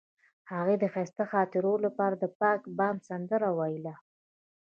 هغې د ښایسته خاطرو لپاره د پاک بام سندره ویله.